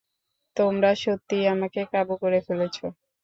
তোমরা সত্যিই আমাকে কাবু করে ফেলেছ।